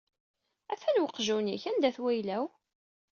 Atan weqjun-ik, anda-t wayla-w?